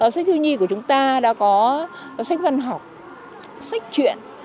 sách thiếu nhi của chúng ta đã có sách văn học sách chuyện